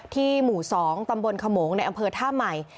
หมู่๒ตำบลขโมงในอำเภอท่าใหม่